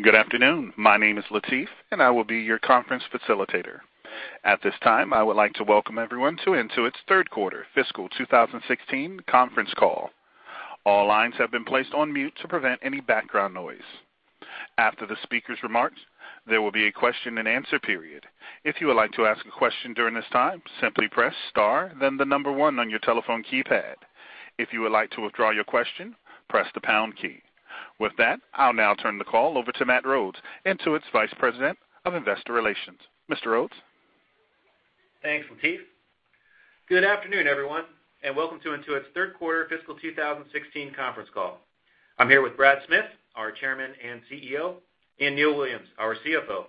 Good afternoon. My name is Latif, and I will be your conference facilitator. At this time, I would like to welcome everyone to Intuit's third quarter fiscal 2016 conference call. All lines have been placed on mute to prevent any background noise. After the speaker's remarks, there will be a question and answer period. If you would like to ask a question during this time, simply press star, then the number one on your telephone keypad. If you would like to withdraw your question, press the pound key. With that, I'll now turn the call over to Matt Rhodes, Intuit's Vice President of Investor Relations. Mr. Rhodes? Thanks, Latif. Good afternoon, everyone, welcome to Intuit's third quarter fiscal 2016 conference call. I'm here with Brad Smith, our Chairman and CEO, and Neil Williams, our CFO.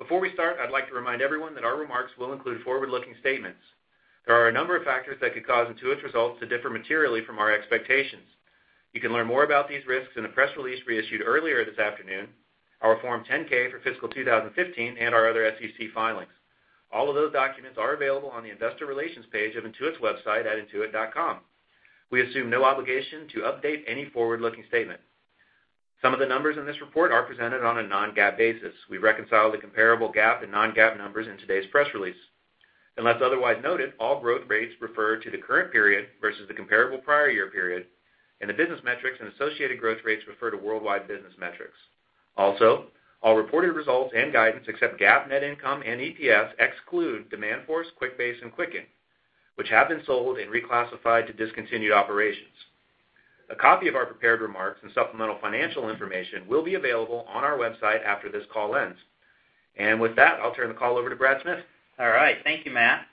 Before we start, I'd like to remind everyone that our remarks will include forward-looking statements. There are a number of factors that could cause Intuit's results to differ materially from our expectations. You can learn more about these risks in a press release we issued earlier this afternoon, our Form 10-K for fiscal 2015, and our other SEC filings. All of those documents are available on the Investor Relations page of intuit.com. We assume no obligation to update any forward-looking statement. Some of the numbers in this report are presented on a non-GAAP basis. We reconcile the comparable GAAP and non-GAAP numbers in today's press release. Unless otherwise noted, all growth rates refer to the current period versus the comparable prior year period, the business metrics and associated growth rates refer to worldwide business metrics. Also, all reported results and guidance except GAAP net income and EPS exclude Demandforce, QuickBase, and Quicken, which have been sold and reclassified to discontinued operations. A copy of our prepared remarks and supplemental financial information will be available on our website after this call ends. With that, I'll turn the call over to Brad Smith. All right. Thank you, Matt.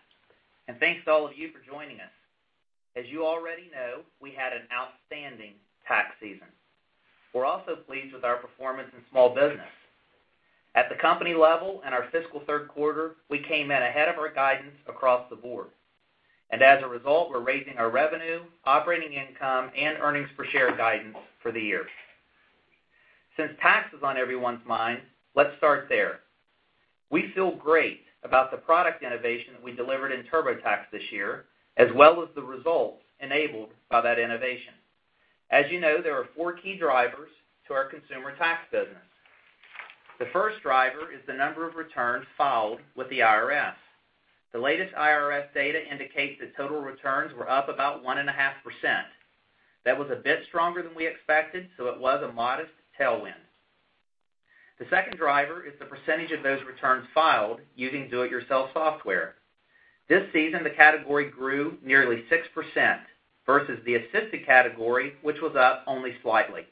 Thanks to all of you for joining us. As you already know, we had an outstanding tax season. We're also pleased with our performance in small business. At the company level in our fiscal third quarter, we came in ahead of our guidance across the board, as a result, we're raising our revenue, operating income, and earnings per share guidance for the year. Since tax is on everyone's mind, let's start there. We feel great about the product innovation that we delivered in TurboTax this year, as well as the results enabled by that innovation. As you know, there are four key drivers to our consumer tax business. The first driver is the number of returns filed with the IRS. The latest IRS data indicates that total returns were up about one and a half %. That was a bit stronger than we expected, it was a modest tailwind. The second driver is the percentage of those returns filed using do it yourself software. This season, the category grew nearly 6% versus the assisted category, which was up only slightly.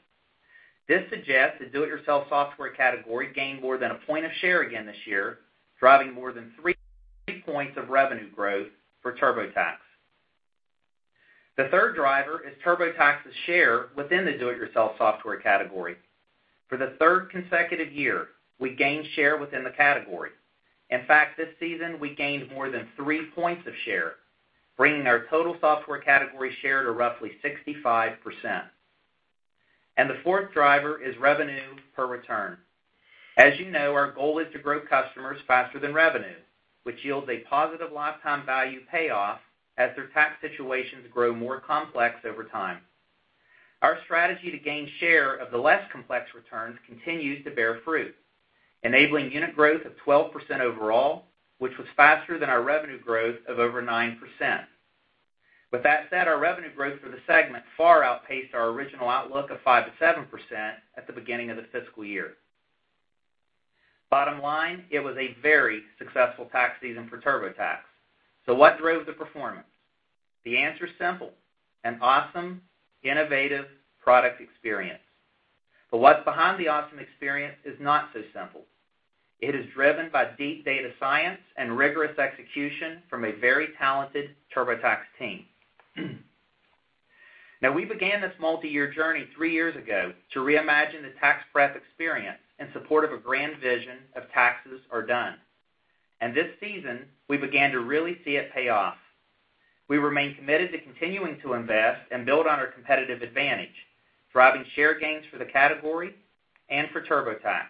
This suggests the do it yourself software category gained more than a point of share again this year, driving more than 3 points of revenue growth for TurboTax. The third driver is TurboTax's share within the do it yourself software category. For the third consecutive year, we gained share within the category. In fact, this season, we gained more than 3 points of share, bringing our total software category share to roughly 65%. The fourth driver is revenue per return. As you know, our goal is to grow customers faster than revenue, which yields a positive lifetime value payoff as their tax situations grow more complex over time. Our strategy to gain share of the less complex returns continues to bear fruit, enabling unit growth of 12% overall, which was faster than our revenue growth of over 9%. With that said, our revenue growth for the segment far outpaced our original outlook of 5%-7% at the beginning of the fiscal year. Bottom line, it was a very successful tax season for TurboTax. What drove the performance? The answer is simple, an awesome innovative product experience. What's behind the awesome experience is not so simple. It is driven by deep data science and rigorous execution from a very talented TurboTax team. We began this multi-year journey 3 years ago to reimagine the tax prep experience in support of a grand vision of taxes are done. This season, we began to really see it pay off. We remain committed to continuing to invest and build on our competitive advantage, driving share gains for the category and for TurboTax.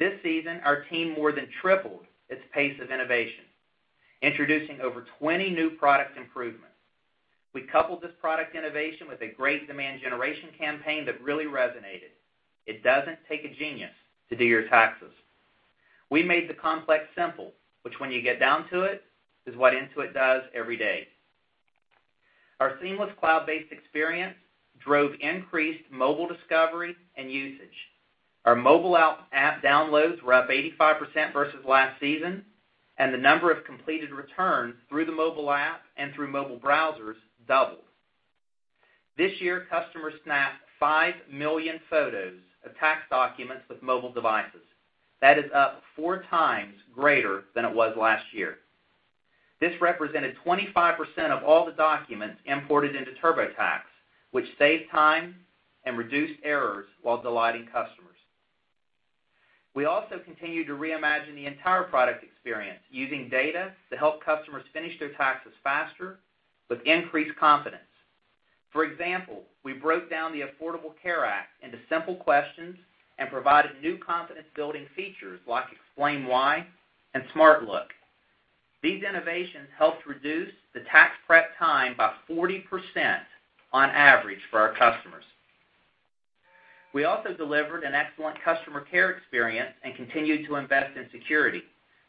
This season, our team more than tripled its pace of innovation, introducing over 20 new product improvements. We coupled this product innovation with a great demand generation campaign that really resonated. It doesn't take a genius to do your taxes. We made the complex simple, which when you get down to it, is what Intuit does every day. Our seamless cloud-based experience drove increased mobile discovery and usage. Our mobile app downloads were up 85% versus last season, the number of completed returns through the mobile app and through mobile browsers doubled. This year, customers snapped 5 million photos of tax documents with mobile devices. That is up 4 times greater than it was last year. This represented 25% of all the documents imported into TurboTax, which saved time and reduced errors while delighting customers. We also continue to reimagine the entire product experience using data to help customers finish their taxes faster with increased confidence. For example, we broke down the Affordable Care Act into simple questions and provided new confidence-building features like Explain Why and SmartLook. These innovations helped reduce the tax prep time by 40% on average for our customers. We also delivered an excellent customer care experience and continued to invest in security,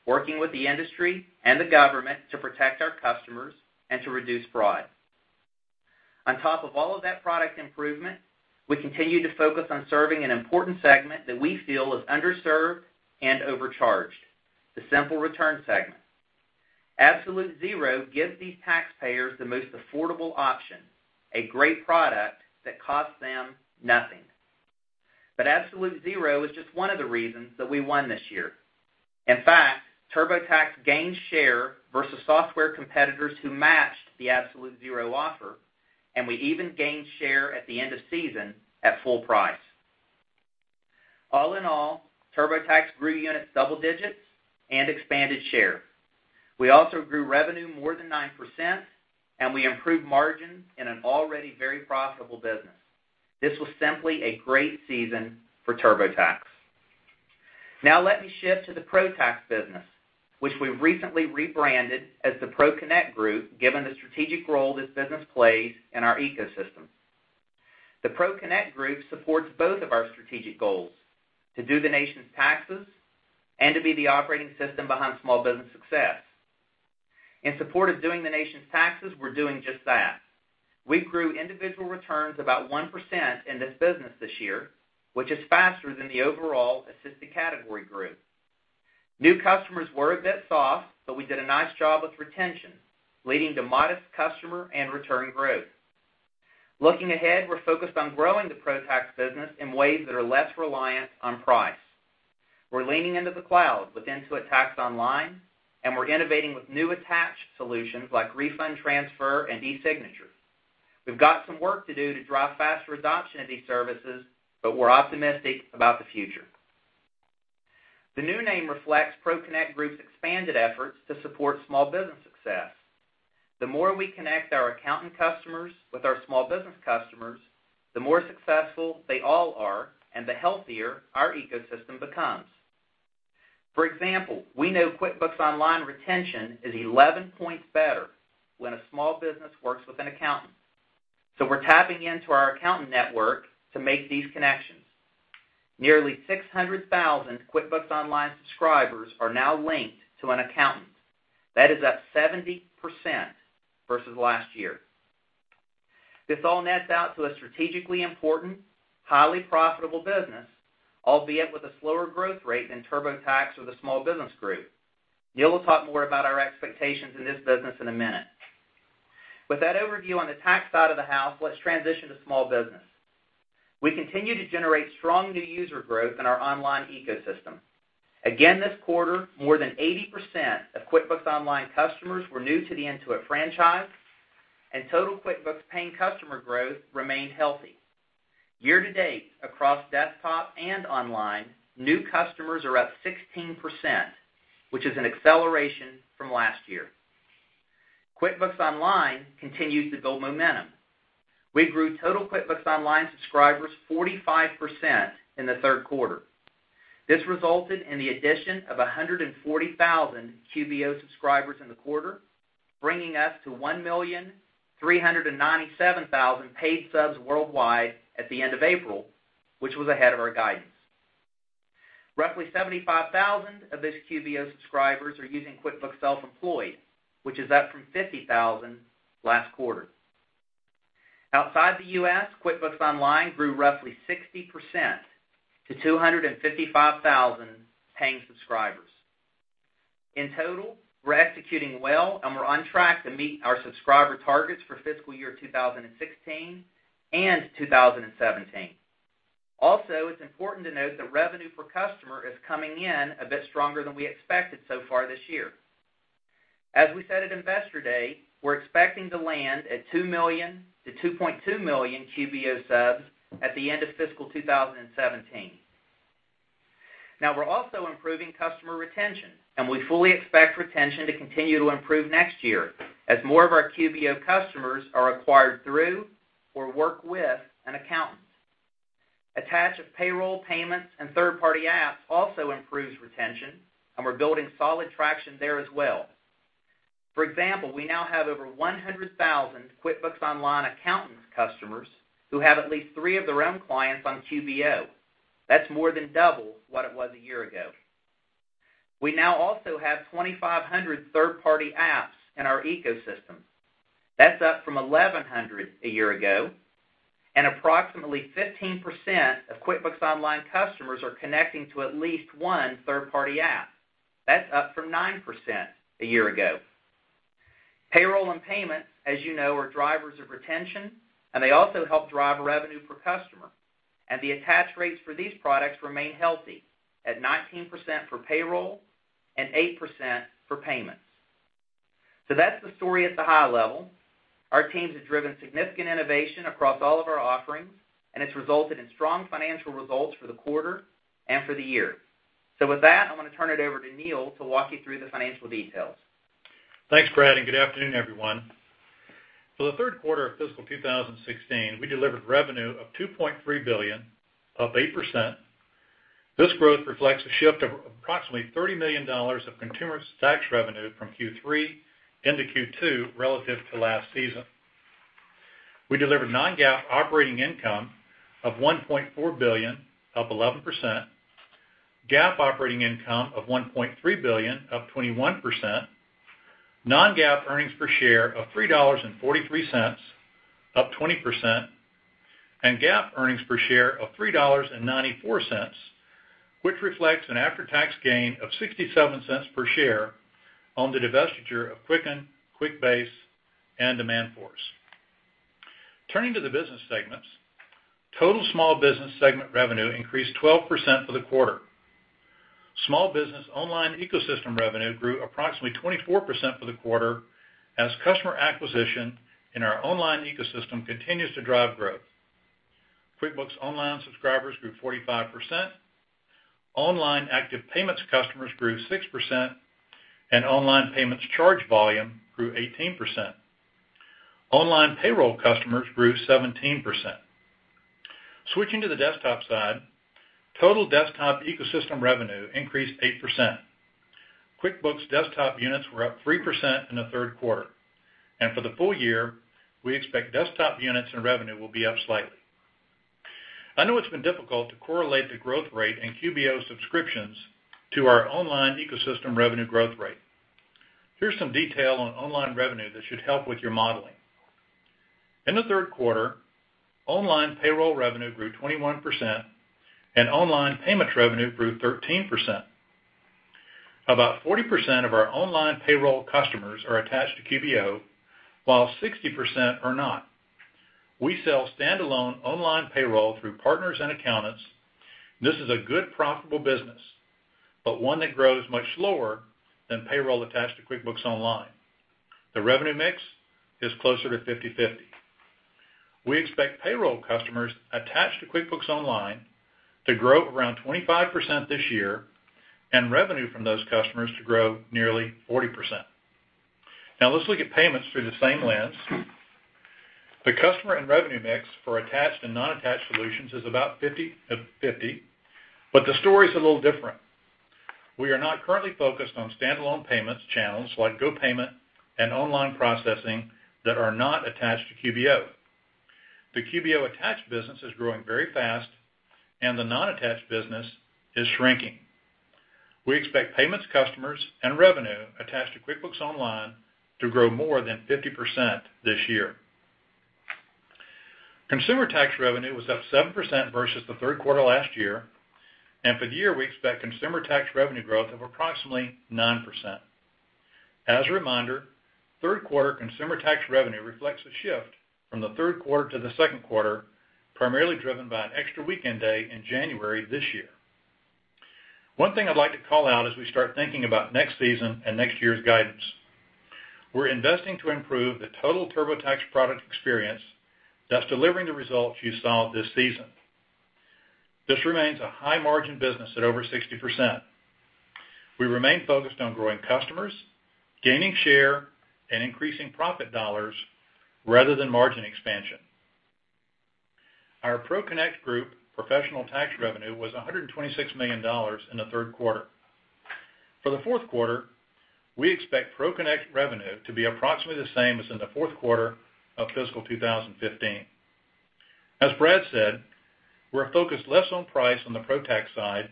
working with the industry and the government to protect our customers and to reduce fraud. On top of all of that product improvement, we continued to focus on serving an important segment that we feel is underserved and overcharged, the simple return segment. Absolute Zero gives these taxpayers the most affordable option, a great product that costs them nothing. Absolute Zero is just one of the reasons that we won this year. In fact, TurboTax gained share versus software competitors who matched the Absolute Zero offer, and we even gained share at the end of season at full price. All in all, TurboTax grew units double digits and expanded share. We also grew revenue more than 9%, and we improved margins in an already very profitable business. This was simply a great season for TurboTax. Let me shift to the ProTax business, which we recently rebranded as the ProConnect Group, given the strategic role this business plays in our ecosystem. The ProConnect Group supports both of our strategic goals, to do the nation's taxes and to be the operating system behind small business success. In support of doing the nation's taxes, we're doing just that. We grew individual returns about 1% in this business this year, which is faster than the overall assisted category group. New customers were a bit soft, but we did a nice job with retention, leading to modest customer and return growth. Looking ahead, we're focused on growing the ProTax business in ways that are less reliant on price. We're leaning into the cloud with Intuit Tax Online, and we're innovating with new attached solutions like Refund Transfer and eSignature. We've got some work to do to drive faster adoption of these services, but we're optimistic about the future. The new name reflects ProConnect Group's expanded efforts to support small business success. The more we connect our accountant customers with our small business customers, the more successful they all are, and the healthier our ecosystem becomes. For example, we know QuickBooks Online retention is 11 points better when a small business works with an accountant. We're tapping into our accountant network to make these connections. Nearly 600,000 QuickBooks Online subscribers are now linked to an accountant. That is up 70% versus last year. This all nets out to a strategically important, highly profitable business, albeit with a slower growth rate than TurboTax or the Small Business Group. Neil will talk more about our expectations in this business in a minute. With that overview on the tax side of the house, let's transition to small business. We continue to generate strong new user growth in our online ecosystem. This quarter, more than 80% of QuickBooks Online customers were new to the Intuit franchise, and total QuickBooks paying customer growth remained healthy. Year-to-date, across desktop and online, new customers are up 16%, which is an acceleration from last year. QuickBooks Online continues to build momentum. We grew total QuickBooks Online subscribers 45% in the third quarter. This resulted in the addition of 140,000 QBO subscribers in the quarter, bringing us to 1,397,000 paid subs worldwide at the end of April, which was ahead of our guidance. Roughly 75,000 of these QBO subscribers are using QuickBooks Self-Employed, which is up from 50,000 last quarter. Outside the U.S., QuickBooks Online grew roughly 60% to 255,000 paying subscribers. In total, we're executing well, and we're on track to meet our subscriber targets for fiscal year 2016 and 2017. Also, it's important to note that revenue per customer is coming in a bit stronger than we expected so far this year. As we said at Investor Day, we're expecting to land at 2 million to 2.2 million QBO subs at the end of fiscal 2017. We're also improving customer retention, and we fully expect retention to continue to improve next year as more of our QBO customers are acquired through or work with an accountant. Attach of payroll payments and third-party apps also improves retention, and we're building solid traction there as well. For example, we now have over 100,000 QuickBooks Online Accountant customers who have at least three of their own clients on QBO. That's more than double what it was a year ago. We now also have 2,500 third-party apps in our ecosystem. That's up from 1,100 a year ago, and approximately 15% of QuickBooks Online customers are connecting to at least one third-party app. That's up from 9% a year ago. Payroll and payments, as you know, are drivers of retention, and they also help drive revenue per customer. The attach rates for these products remain healthy, at 19% for payroll and 8% for payments. That's the story at the high level. Our teams have driven significant innovation across all of our offerings, and it's resulted in strong financial results for the quarter and for the year. With that, I'm going to turn it over to Neil to walk you through the financial details. Thanks, Brad, and good afternoon, everyone. For the third quarter of fiscal 2016, we delivered revenue of $2.3 billion, up 8%. This growth reflects a shift of approximately $30 million of consumer tax revenue from Q3 into Q2 relative to last season. We delivered non-GAAP operating income of $1.4 billion, up 11%, GAAP operating income of $1.3 billion, up 21%, non-GAAP earnings per share of $3.43, up 20%, and GAAP earnings per share of $3.94, which reflects an after-tax gain of $0.67 per share on the divestiture of Quicken, QuickBase, and Demandforce. Turning to the business segments, total Small Business segment revenue increased 12% for the quarter. Small Business online ecosystem revenue grew approximately 24% for the quarter as customer acquisition in our online ecosystem continues to drive growth. QuickBooks Online subscribers grew 45%, online active payments customers grew 6%, and online payments charge volume grew 18%. Online payroll customers grew 17%. Switching to the desktop side, total Desktop ecosystem revenue increased 8%. QuickBooks Desktop units were up 3% in the third quarter. For the full year, we expect Desktop units and revenue will be up slightly. I know it's been difficult to correlate the growth rate in QBO subscriptions to our online ecosystem revenue growth rate. Here's some detail on online revenue that should help with your modeling. In the third quarter, online payroll revenue grew 21%, and online payment revenue grew 13%. About 40% of our online payroll customers are attached to QBO, while 60% are not. We sell standalone online payroll through partners and accountants. This is a good, profitable business, but one that grows much slower than payroll attached to QuickBooks Online. The revenue mix is closer to 50/50. We expect payroll customers attached to QuickBooks Online to grow around 25% this year, and revenue from those customers to grow nearly 40%. Now let's look at payments through the same lens. The customer and revenue mix for attached and non-attached solutions is about 50/50, but the story's a little different. We are not currently focused on standalone payments channels like GoPayment and online processing that are not attached to QBO. The QBO attached business is growing very fast, and the non-attached business is shrinking. We expect payments customers and revenue attached to QuickBooks Online to grow more than 50% this year. Consumer tax revenue was up 7% versus the third quarter last year. For the year, we expect consumer tax revenue growth of approximately 9%. As a reminder, third quarter consumer tax revenue reflects a shift from the third quarter to the second quarter, primarily driven by an extra weekend day in January this year. One thing I'd like to call out as we start thinking about next season and next year's guidance. We're investing to improve the total TurboTax product experience that's delivering the results you saw this season. This remains a high-margin business at over 60%. We remain focused on growing customers, gaining share, and increasing profit dollars rather than margin expansion. Our ProConnect Group professional tax revenue was $126 million in the third quarter. For the fourth quarter, we expect ProConnect revenue to be approximately the same as in the fourth quarter of fiscal 2015. As Brad said, we're focused less on price on the Pro tax side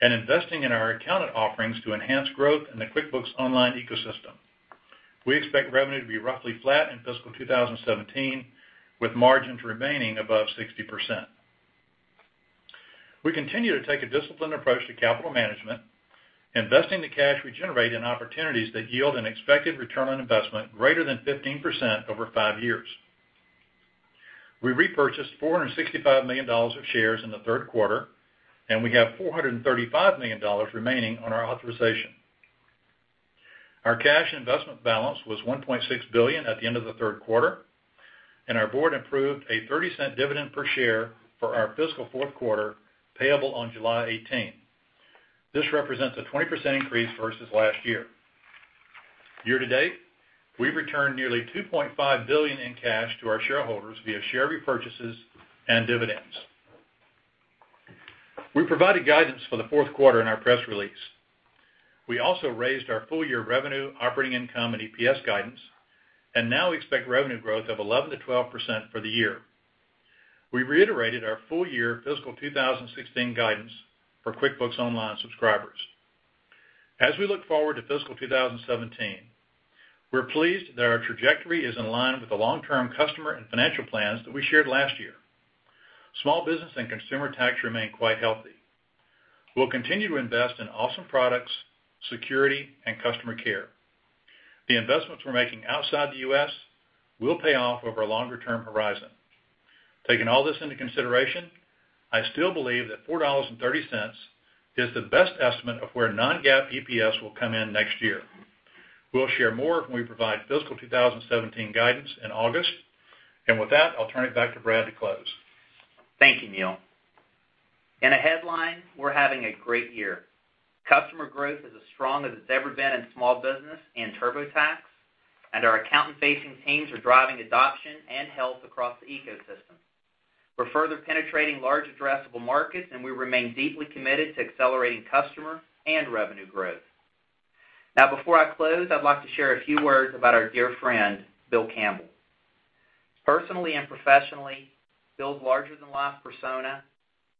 and investing in our accountant offerings to enhance growth in the QuickBooks Online ecosystem. We expect revenue to be roughly flat in fiscal 2017, with margins remaining above 60%. We continue to take a disciplined approach to capital management, investing the cash we generate in opportunities that yield an expected return on investment greater than 15% over five years. We repurchased $465 million of shares in the third quarter, and we have $435 million remaining on our authorization. Our cash investment balance was $1.6 billion at the end of the third quarter, and our board approved a $0.30 dividend per share for our fiscal fourth quarter, payable on July 18th. This represents a 20% increase versus last year. Year to date, we've returned nearly $2.5 billion in cash to our shareholders via share repurchases and dividends. We provided guidance for the fourth quarter in our press release. We also raised our full-year revenue, operating income, and EPS guidance, now expect revenue growth of 11%-12% for the year. We reiterated our full-year fiscal 2016 guidance for QuickBooks Online subscribers. As we look forward to fiscal 2017, we're pleased that our trajectory is in line with the long-term customer and financial plans that we shared last year. Small business and consumer tax remain quite healthy. We'll continue to invest in awesome products, security, and customer care. The investments we're making outside the U.S. will pay off over a longer-term horizon. Taking all this into consideration, I still believe that $4.30 is the best estimate of where non-GAAP EPS will come in next year. We'll share more when we provide fiscal 2017 guidance in August. With that, I'll turn it back to Brad to close. Thank you, Neil. In a headline, we're having a great year. Customer growth is as strong as it's ever been in small business and TurboTax, and our accountant-facing teams are driving adoption and health across the ecosystem. We're further penetrating large addressable markets, and we remain deeply committed to accelerating customer and revenue growth. Now, before I close, I'd like to share a few words about our dear friend, Bill Campbell. Personally and professionally, Bill's larger-than-life persona,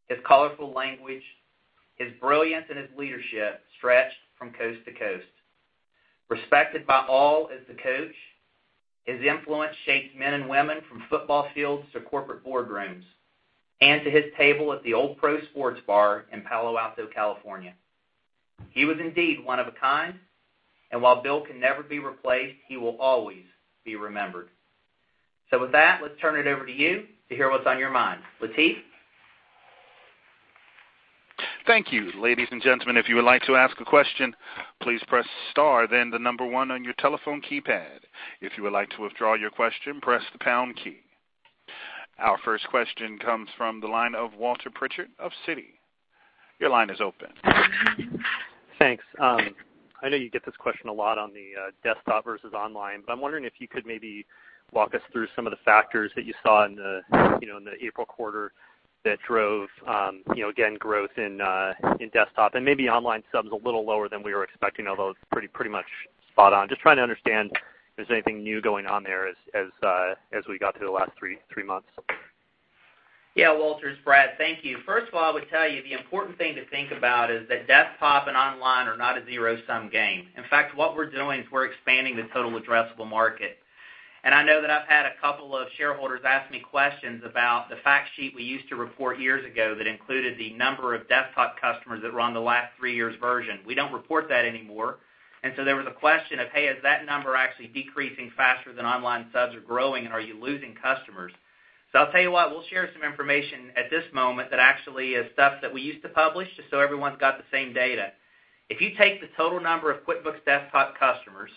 his colorful language, his brilliance and his leadership stretched from coast to coast. Respected by all as the coach, his influence shaped men and women from football fields to corporate boardrooms, and to his table at The Old Pro Sports Bar in Palo Alto, California. He was indeed one of a kind, and while Bill can never be replaced, he will always be remembered. With that, let's turn it over to you to hear what's on your mind. Latif? Thank you. Ladies and gentlemen, if you would like to ask a question, please press star then 1 on your telephone keypad. If you would like to withdraw your question, press the pound key. Our first question comes from the line of Walter Pritchard of Citi. Your line is open. Thanks. I know you get this question a lot on the desktop versus online, I'm wondering if you could maybe walk us through some of the factors that you saw in the April quarter that drove, again, growth in desktop and maybe online subs a little lower than we were expecting, although it's pretty much spot on. Just trying to understand if there's anything new going on there as we got through the last three months. Yeah, Walter, it's Brad. Thank you. First of all, I would tell you the important thing to think about is that desktop and online are not a zero-sum game. In fact, what we're doing is we're expanding the total addressable market. I know that I've had a couple of shareholders ask me questions about the fact sheet we used to report years ago that included the number of desktop customers that were on the last three years version. We don't report that anymore. There was a question of, hey, is that number actually decreasing faster than online subs are growing, and are you losing customers? I'll tell you what, we'll share some information at this moment that actually is stuff that we used to publish, just so everyone's got the same data. If you take the total number of QuickBooks Desktop customers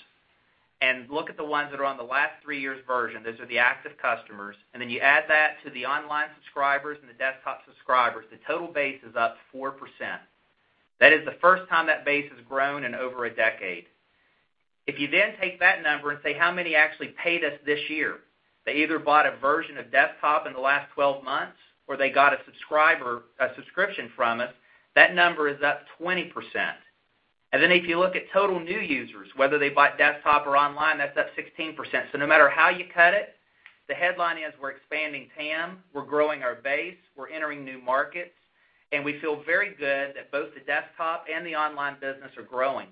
and look at the ones that are on the last three years version, those are the active customers, and then you add that to the online subscribers and the desktop subscribers, the total base is up 4%. That is the first time that base has grown in over a decade. If you then take that number and say how many actually paid us this year, they either bought a version of desktop in the last 12 months, or they got a subscription from us, that number is up 20%. If you look at total new users, whether they bought desktop or online, that's up 16%. No matter how you cut it, the headline is we're expanding TAM, we're growing our base, we're entering new markets, and we feel very good that both the desktop and the online business are growing.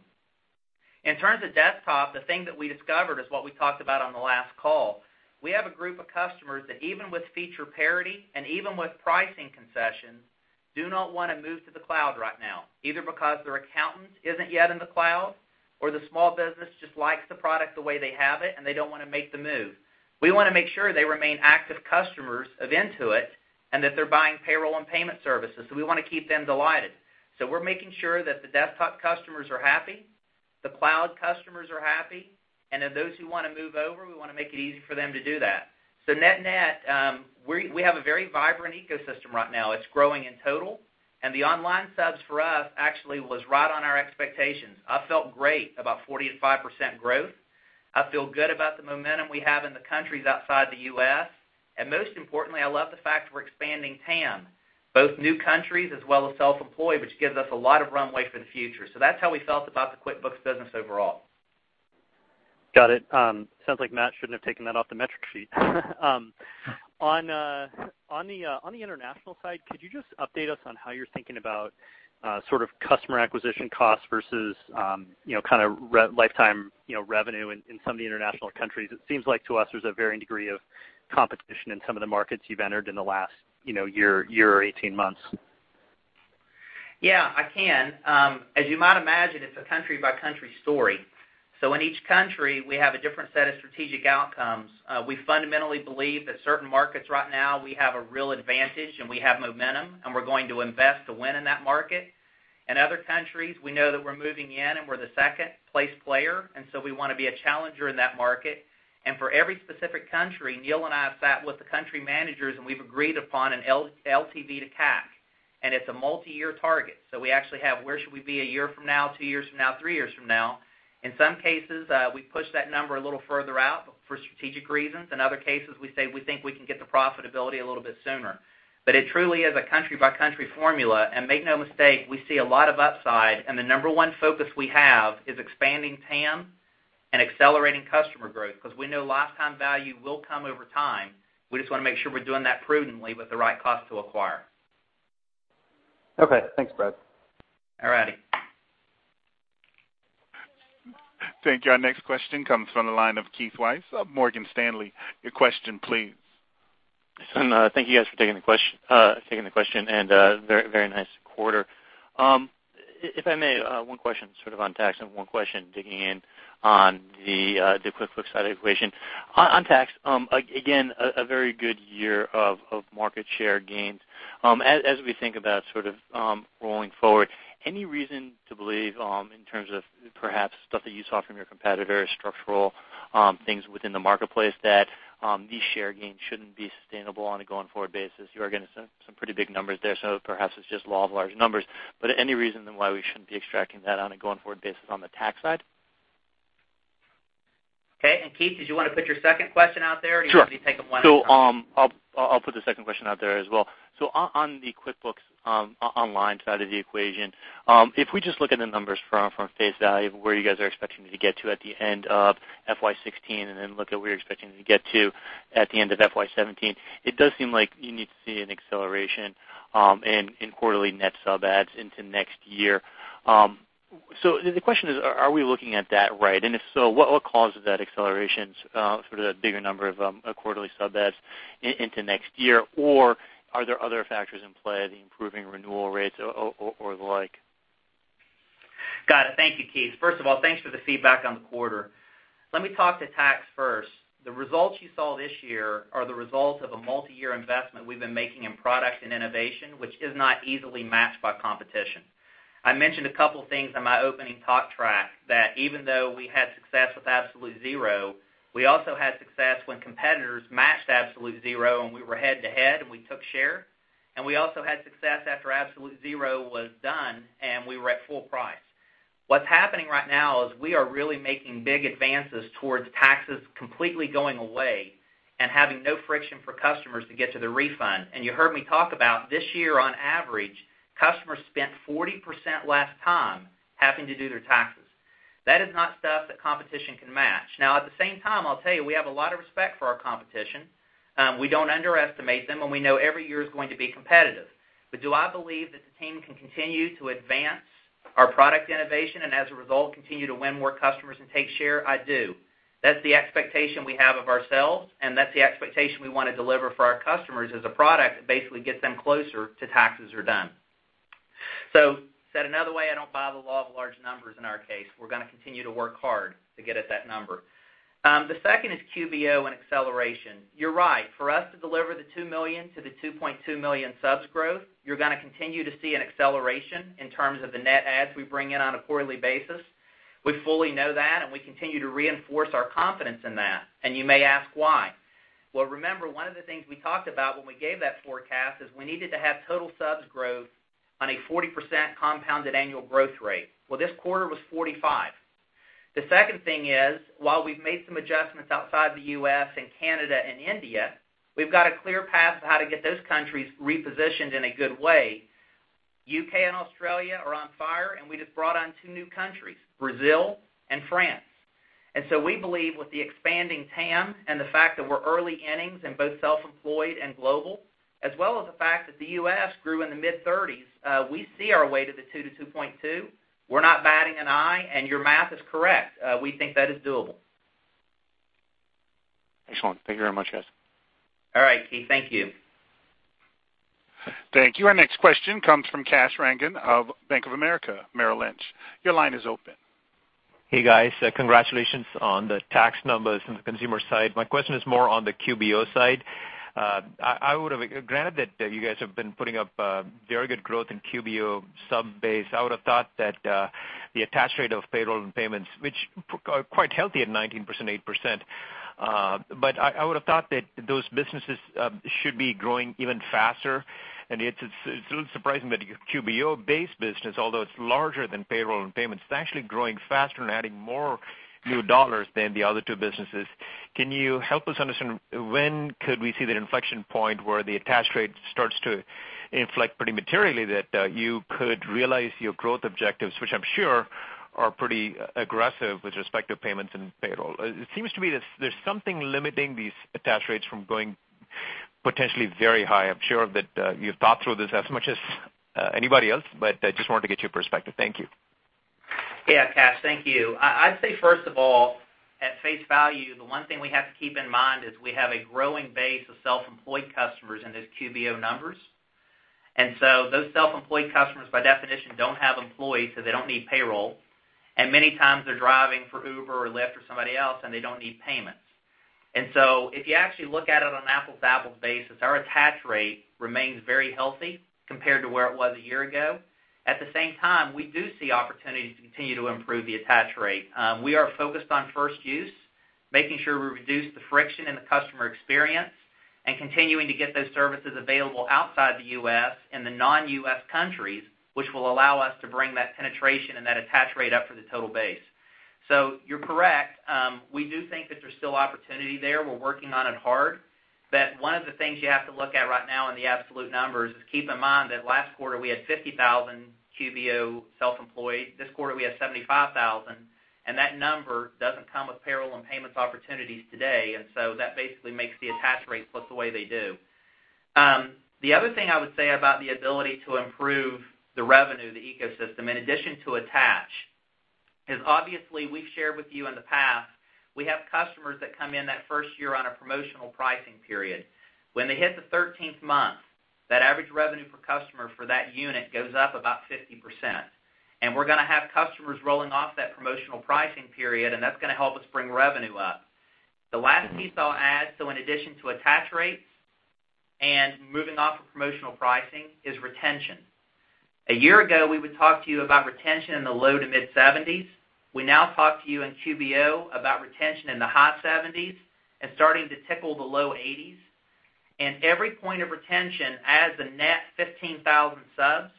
In terms of desktop, the thing that we discovered is what we talked about on the last call. We have a group of customers that, even with feature parity and even with pricing concessions, do not want to move to the cloud right now, either because their accountant isn't yet in the cloud or the small business just likes the product the way they have it and they don't want to make the move. We want to make sure they remain active customers of Intuit and that they're buying payroll and payment services, so we want to keep them delighted. We're making sure that the desktop customers are happy, the cloud customers are happy, and then those who want to move over, we want to make it easy for them to do that. Net-net, we have a very vibrant ecosystem right now. It's growing in total, and the online subs for us actually was right on our expectations. I felt great about 45% growth. I feel good about the momentum we have in the countries outside the U.S., and most importantly, I love the fact we're expanding TAM, both new countries as well as self-employed, which gives us a lot of runway for the future. That's how we felt about the QuickBooks business overall. Got it. Sounds like Matt shouldn't have taken that off the metric sheet. On the international side, could you just update us on how you're thinking about sort of customer acquisition costs versus kind of lifetime revenue in some of the international countries? It seems like to us there's a varying degree of competition in some of the markets you've entered in the last year or 18 months. Yeah, I can. As you might imagine, it's a country-by-country story. In each country, we have a different set of strategic outcomes. We fundamentally believe that certain markets right now, we have a real advantage and we have momentum, and we're going to invest to win in that market. In other countries, we know that we're moving in and we're the second-place player, we want to be a challenger in that market. For every specific country, Neil and I have sat with the country managers, and we've agreed upon an LTV to CAC, and it's a multi-year target. We actually have where should we be a year from now, two years from now, three years from now. In some cases, we push that number a little further out for strategic reasons. In other cases, we say we think we can get the profitability a little bit sooner. It truly is a country-by-country formula. Make no mistake, we see a lot of upside, and the number one focus we have is expanding TAM and accelerating customer growth, because we know lifetime value will come over time. We just want to make sure we're doing that prudently with the right cost to acquire. Okay. Thanks, Brad. All righty. Thank you. Our next question comes from the line of Keith Weiss of Morgan Stanley. Your question, please. Thank you guys for taking the question, and very nice quarter. If I may, one question sort of on tax and one question digging in on the QuickBooks side of the equation. On tax, again, a very good year of market share gains. As we think about sort of rolling forward. Any reason to believe, in terms of perhaps stuff that you saw from your competitor, structural things within the marketplace, that these share gains shouldn't be sustainable on a going-forward basis? You are getting some pretty big numbers there, so perhaps it's just law of large numbers. Any reason then why we shouldn't be extracting that on a going-forward basis on the tax side? Okay. Keith, did you want to put your second question out there? Sure. Do you want me to take them one at a time? I'll put the second question out there as well. On the QuickBooks Online side of the equation, if we just look at the numbers from face value of where you guys are expecting to get to at the end of FY 2016, then look at where you're expecting to get to at the end of FY 2017, it does seem like you need to see an acceleration in quarterly net sub adds into next year. The question is, are we looking at that right? If so, what causes that accelerations for the bigger number of quarterly sub adds into next year? Are there other factors in play, the improving renewal rates or the like? Got it. Thank you, Keith. First of all, thanks for the feedback on the quarter. Let me talk to tax first. The results you saw this year are the results of a multi-year investment we've been making in product and innovation, which is not easily matched by competition. I mentioned a couple of things in my opening talk track, that even though we had success with Absolute Zero, we also had success when competitors matched Absolute Zero and we were head-to-head, and we took share. We also had success after Absolute Zero was done, and we were at full price. What's happening right now is we are really making big advances towards taxes completely going away and having no friction for customers to get to the refund. You heard me talk about this year, on average, customers spent 40% less time having to do their taxes. That is not stuff that competition can match. At the same time, I'll tell you, we have a lot of respect for our competition. We don't underestimate them, and we know every year is going to be competitive. Do I believe that the team can continue to advance our product innovation, and as a result, continue to win more customers and take share? I do. That's the expectation we have of ourselves, and that's the expectation we want to deliver for our customers as a product that basically gets them closer to taxes are done. Said another way, I don't buy the law of large numbers in our case. We're going to continue to work hard to get at that number. The second is QBO and acceleration. You're right. For us to deliver the 2 million to 2.2 million subs growth, you're going to continue to see an acceleration in terms of the net adds we bring in on a quarterly basis. We fully know that. We continue to reinforce our confidence in that. You may ask why. Well, remember, one of the things we talked about when we gave that forecast is we needed to have total subs growth on a 40% compounded annual growth rate. Well, this quarter was 45%. The second thing is, while we've made some adjustments outside the U.S. and Canada and India, we've got a clear path of how to get those countries repositioned in a good way. U.K. and Australia are on fire. We just brought on two new countries, Brazil and France. We believe with the expanding TAM and the fact that we're early innings in both self-employed and global, as well as the fact that the U.S. grew in the mid-30s, we see our way to the 2 to 2.2. We're not batting an eye. Your math is correct. We think that is doable. Excellent. Thank you very much, guys. All right, Keith. Thank you. Thank you. Our next question comes from Kash Rangan of Bank of America Merrill Lynch. Your line is open. Hey, guys. Congratulations on the tax numbers on the consumer side. My question is more on the QBO side. Granted that you guys have been putting up very good growth in QBO sub-base, I would've thought that the attach rate of payroll and payments, which are quite healthy at 19% and 8%, I would've thought that those businesses should be growing even faster. It's a little surprising that your QBO base business, although it's larger than payroll and payments, it's actually growing faster and adding more new dollars than the other two businesses. Can you help us understand when could we see that inflection point where the attach rate starts to inflect pretty materially that you could realize your growth objectives, which I'm sure are pretty aggressive with respect to payments and payroll? It seems to me there's something limiting these attach rates from going potentially very high. I'm sure that you've thought through this as much as anybody else, but I just wanted to get your perspective. Thank you. Yeah, Kash. Thank you. I'd say, first of all, at face value, the one thing we have to keep in mind is we have a growing base of self-employed customers in those QBO numbers. Those self-employed customers, by definition, don't have employees, so they don't need payroll. Many times they're driving for Uber or Lyft or somebody else, and they don't need payments. If you actually look at it on an apples-to-apples basis, our attach rate remains very healthy compared to where it was a year ago. At the same time, we do see opportunities to continue to improve the attach rate. We are focused on first use, making sure we reduce the friction in the customer experience, and continuing to get those services available outside the U.S. in the non-U.S. countries, which will allow us to bring that penetration and that attach rate up for the total base. You're correct. We do think that there's still opportunity there. We're working on it hard, but one of the things you have to look at right now in the absolute numbers is keep in mind that last quarter we had 50,000 QBO Self-Employed. This quarter, we have 75,000, and that number doesn't come with payroll and payments opportunities today. That basically makes the attach rates look the way they do. The other thing I would say about the ability to improve the revenue of the ecosystem, in addition to attach, is obviously we've shared with you in the past, we have customers that come in that first year on a promotional pricing period. When they hit the 13th month, that average revenue per customer for that unit goes up about 50%. We're going to have customers rolling off that promotional pricing period, and that's going to help us bring revenue up. The last piece I'll add, so in addition to attach rates and moving off of promotional pricing is retention. A year ago, we would talk to you about retention in the low to mid-70s. We now talk to you in QBO about retention in the high 70s and starting to tickle the low 80s. Every point of retention adds a net 15,000 subs.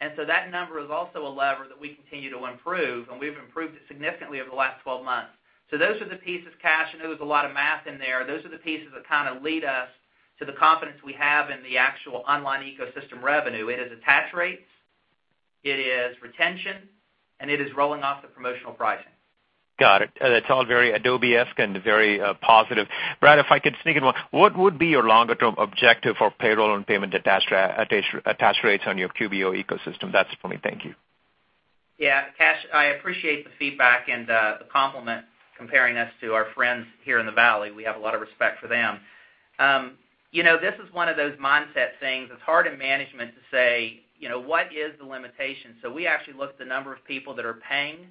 That number is also a lever that we continue to improve, and we've improved it significantly over the last 12 months. Those are the pieces, Kash, I know there's a lot of math in there. Those are the pieces that kind of lead us to the confidence we have in the actual online ecosystem revenue. It is attach rates, it is retention, and it is rolling off the promotional pricing. Got it. That's all very Adobe-esque and very positive. Brad, if I could sneak in one, what would be your longer-term objective for payroll and payment attach rates on your QBO ecosystem? That's for me. Thank you. Yeah. Kash, I appreciate the feedback and the compliment comparing us to our friends here in the Valley. We have a lot of respect for them. This is one of those mindset things. It's hard in management to say, what is the limitation? We actually look at the number of people that are paying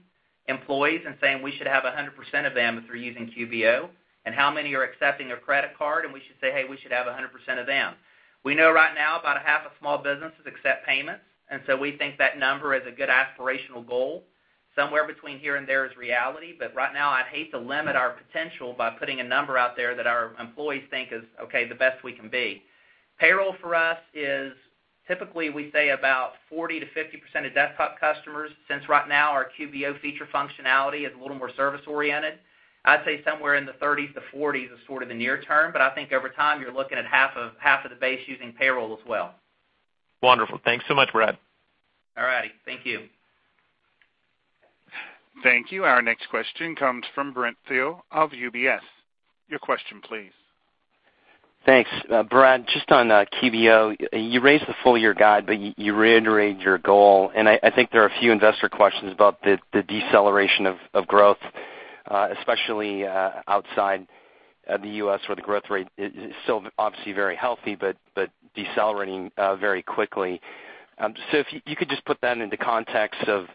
employees and saying we should have 100% of them if they're using QBO, and how many are accepting a credit card, and we should say, "Hey, we should have 100% of them." We know right now about a half of small businesses accept payments, we think that number is a good aspirational goal. Somewhere between here and there is reality, but right now, I'd hate to limit our potential by putting a number out there that our employees think is okay, the best we can be. Payroll for us is typically, we say about 40%-50% of desktop customers, since right now our QBO feature functionality is a little more service-oriented. I'd say somewhere in the 30s to 40s is sort of the near term, but I think over time, you're looking at half of the base using payroll as well. Wonderful. Thanks so much, Brad. All right. Thank you. Thank you. Our next question comes from Brent Thill of UBS. Your question please. Thanks. Brad, just on QBO, you raised the full-year guide, you reiterated your goal, and I think there are a few investor questions about the deceleration of growth, especially outside the U.S., where the growth rate is still obviously very healthy but decelerating very quickly. If you could just put that into context of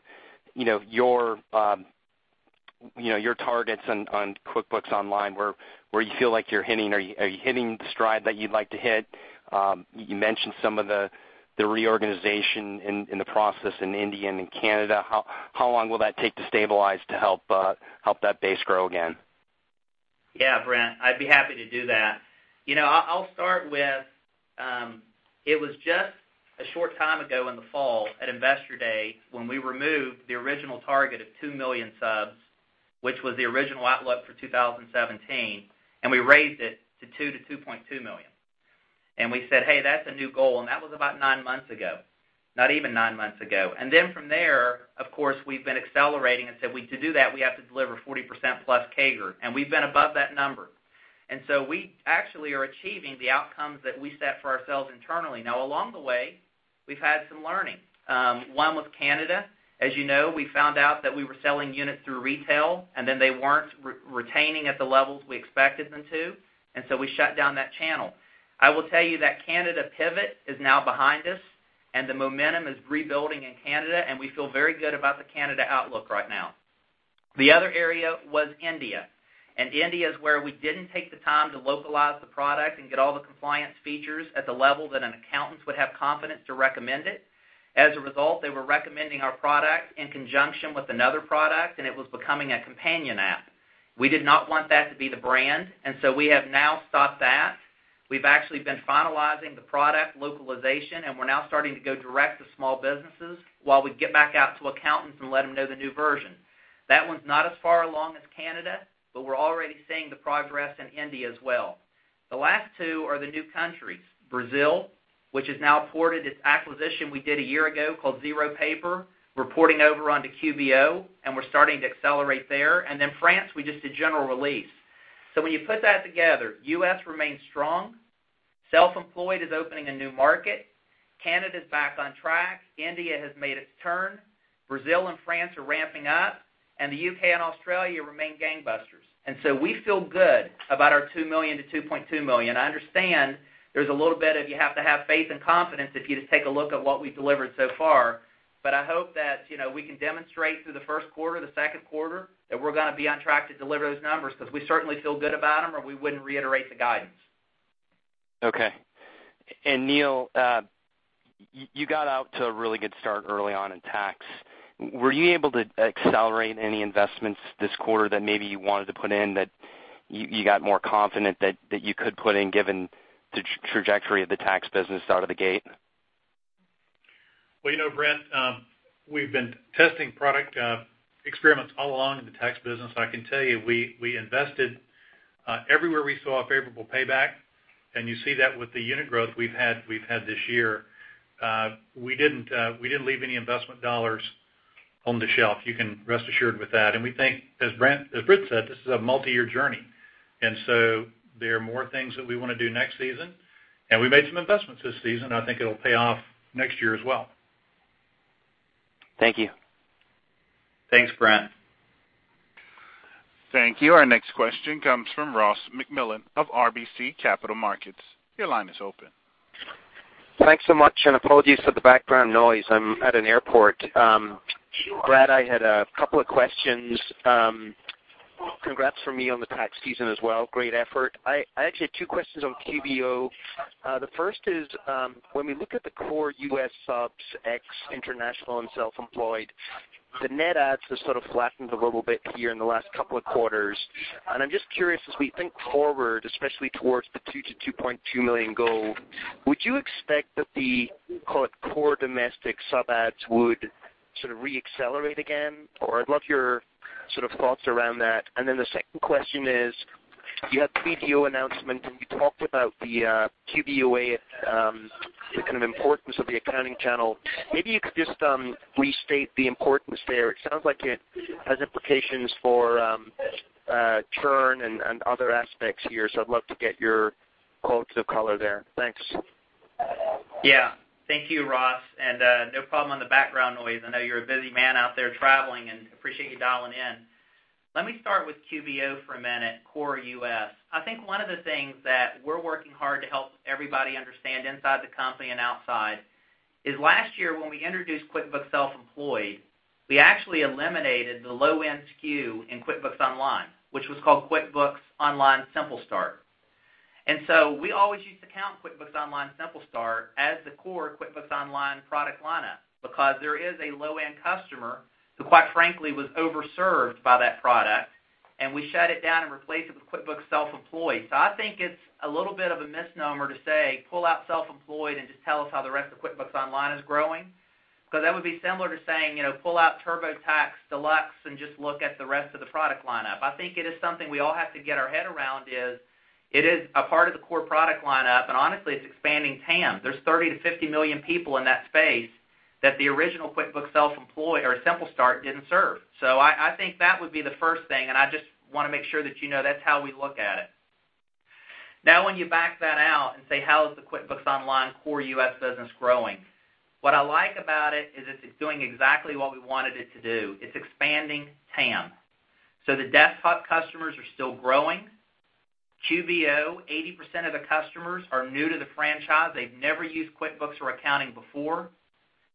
your targets on QuickBooks Online, where you feel like you're hitting. Are you hitting the stride that you'd like to hit? You mentioned some of the reorganization in the process in India and in Canada. How long will that take to stabilize to help that base grow again? Yeah, Brent, I'd be happy to do that. I'll start with, it was just a short time ago in the fall at Investor Day, when we removed the original target of 2 million subs, which was the original outlook for 2017, we raised it to 2 million-2.2 million. We said, "Hey, that's a new goal." That was about nine months ago, not even nine months ago. From there, of course, we've been accelerating and said to do that, we have to deliver 40% plus CAGR, we've been above that number. We actually are achieving the outcomes that we set for ourselves internally. Now, along the way, we've had some learning. One with Canada. As you know, we found out that we were selling units through retail, they weren't retaining at the levels we expected them to, we shut down that channel. I will tell you that Canada pivot is now behind us, the momentum is rebuilding in Canada, we feel very good about the Canada outlook right now. The other area was India is where we didn't take the time to localize the product and get all the compliance features at the level that an accountant would have confidence to recommend it. As a result, they were recommending our product in conjunction with another product, it was becoming a companion app. We did not want that to be the brand, we have now stopped that. We've actually been finalizing the product localization, and we're now starting to go direct to small businesses while we get back out to accountants and let them know the new version. That one's not as far along as Canada, but we're already seeing the progress in India as well. The last two are the new countries, Brazil, which has now ported its acquisition we did a year ago called ZeroPaper, we're porting over onto QBO, and we're starting to accelerate there. In France, we just did general release. When you put that together, U.S. remains strong, self-employed is opening a new market, Canada's back on track, India has made its turn, Brazil and France are ramping up, and the U.K. and Australia remain gangbusters. We feel good about our $2 million to $2.2 million. I understand there's a little bit of you have to have faith and confidence if you just take a look at what we've delivered so far. I hope that we can demonstrate through the first quarter, the second quarter, that we're going to be on track to deliver those numbers because we certainly feel good about them, or we wouldn't reiterate the guidance. Okay. Neil, you got out to a really good start early on in tax. Were you able to accelerate any investments this quarter that maybe you wanted to put in, that you got more confident that you could put in given the trajectory of the tax business out of the gate? Well, you know, Brent, we've been testing product experiments all along in the tax business. I can tell you, we invested everywhere we saw a favorable payback. You see that with the unit growth we've had this year. We didn't leave any investment dollars on the shelf. You can rest assured with that. We think, as Brad said, this is a multi-year journey. There are more things that we want to do next season. We made some investments this season. I think it'll pay off next year as well. Thank you. Thanks, Brent. Thank you. Our next question comes from Ross MacMillan of RBC Capital Markets. Your line is open. Thanks so much. Apologies for the background noise. I'm at an airport. Brad, I had a couple of questions. Congrats from me on the tax season as well. Great effort. I actually had two questions on QBO. The first is, when we look at the core U.S. subs, ex international and self-employed, the net adds have sort of flattened a little bit here in the last couple of quarters. I'm just curious, as we think forward, especially towards the $2 million-$2.2 million goal, would you expect that the, call it, core domestic sub adds would sort of re-accelerate again? I'd love your sort of thoughts around that. The second question is, you had the QBO announcement, and you talked about the QBOA, the kind of importance of the accounting channel. Maybe you could just restate the importance there. It sounds like it has implications for churn and other aspects here, so I'd love to get your (quotes of color) there. Thanks. Yeah. Thank you, Ross, and, no problem on the background noise. I know you're a busy man out there traveling, and appreciate you dialing in. Let me start with QBO for a minute, core U.S. I think one of the things that we're working hard to help everybody understand inside the company and outside is last year, when we introduced QuickBooks Self-Employed, we actually eliminated the low-end SKU in QuickBooks Online, which was called QuickBooks Online Simple Start. We always used to count QuickBooks Online Simple Start as the core QuickBooks Online product lineup because there is a low-end customer who, quite frankly, was over-served by that product, and we shut it down and replaced it with QuickBooks Self-Employed. I think it's a little bit of a misnomer to say pull out Self-Employed and just tell us how the rest of QuickBooks Online is growing, because that would be similar to saying, pull out TurboTax Deluxe and just look at the rest of the product lineup. I think it is something we all have to get our head around is, it is a part of the core product lineup, and honestly, it's expanding TAM. There's 30 to 50 million people in that space that the original QuickBooks Self-Employed or Simple Start didn't serve. I think that would be the first thing, and I just want to make sure that you know that's how we look at it. Now, when you back that out and say, how is the QuickBooks Online core U.S. business growing? What I like about it is that it's doing exactly what we wanted it to do. It's expanding TAM. The desktop customers are still growing. QBO, 80% of the customers are new to the franchise. They've never used QuickBooks or accounting before.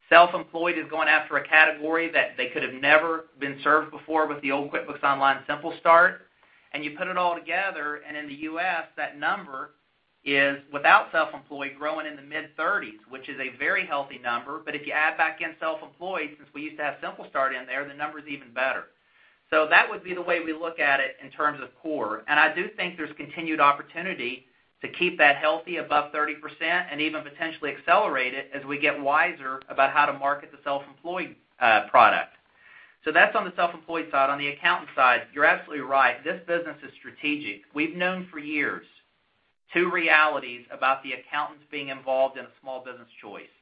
Self-Employed is going after a category that they could have never been served before with the old QuickBooks Online Simple Start. You put it all together, and in the U.S., that number is, without Self-Employed, growing in the mid-thirties, which is a very healthy number. If you add back in Self-Employed, since we used to have Simple Start in there, the number's even better. That would be the way we look at it in terms of core, and I do think there's continued opportunity to keep that healthy above 30% and even potentially accelerate it as we get wiser about how to market the Self-Employed product. That's on the Self-Employed side. On the accountant side, you're absolutely right. This business is strategic. We've known for years two realities about the accountants being involved in a small business choice.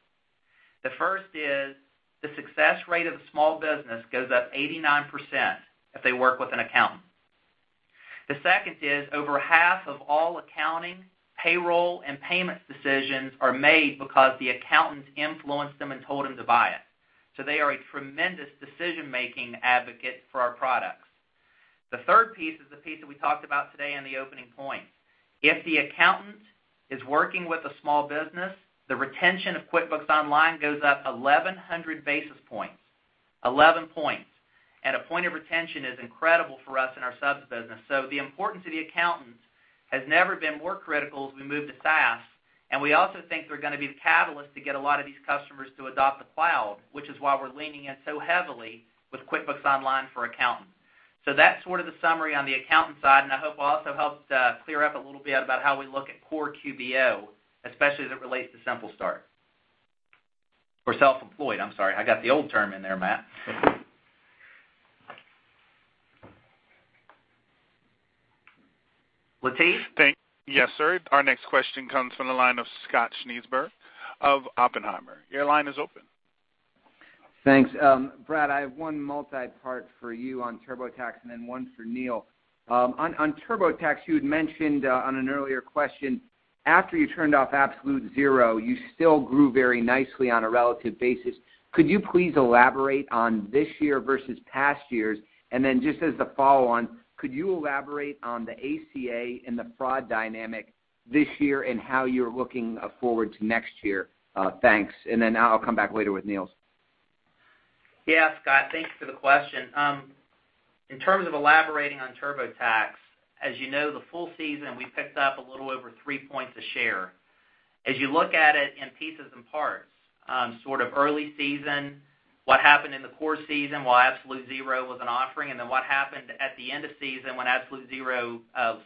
The first is the success rate of a small business goes up 89% if they work with an accountant. The second is over half of all accounting, payroll, and payment decisions are made because the accountants influenced them and told them to buy it. They are a tremendous decision-making advocate for our products. The third piece is the piece that we talked about today in the opening points. If the accountant is working with a small business, the retention of QuickBooks Online goes up 1,100 basis points, 11 points, and a point of retention is incredible for us in our subs business. The importance of the accountant has never been more critical as we move to SaaS, and we also think they're going to be the catalyst to get a lot of these customers to adopt the cloud, which is why we're leaning in so heavily with QuickBooks Online for accountants. That's sort of the summary on the accountant side, and I hope also helps clear up a little bit about how we look at core QBO, especially as it relates to Simple Start. Or Self-Employed. I'm sorry. I got the old term in there, Matt. Latif? Yes, sir. Our next question comes from the line of Scott Schneeberger of Oppenheimer. Your line is open. Thanks. Brad, I have one multi-part for you on TurboTax and then one for Neil. On TurboTax, you had mentioned on an earlier question, after you turned off Absolute Zero, you still grew very nicely on a relative basis. Could you please elaborate on this year versus past years? Just as the follow-on, could you elaborate on the ACA and the fraud dynamic this year and how you're looking forward to next year? Thanks. I'll come back later with Neil's. Scott, thanks for the question. In terms of elaborating on TurboTax, as you know, the full season, we picked up a little over 3 points a share. As you look at it in pieces and parts, sort of early season, what happened in the core season while Absolute Zero was an offering, and then what happened at the end of season when Absolute Zero